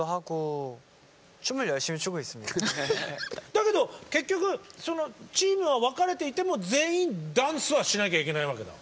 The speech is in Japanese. だけど結局そのチームは分かれていても全員ダンスはしなきゃいけないわけだ。